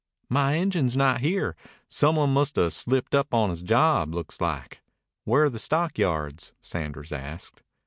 "My engine's not here. Some one must 'a' slipped up on his job, looks like. Where are the stockyards?" Sanders asked.